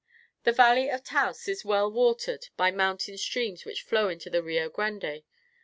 The valley of Taos is well watered by mountain streams which flow into the Rio Grande.